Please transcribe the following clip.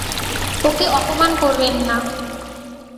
ওকে অপমান করবেন না।